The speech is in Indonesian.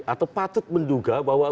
atau patut menduga bahwa